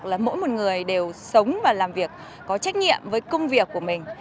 là mỗi một người đều sống và làm việc có trách nhiệm với công việc của mình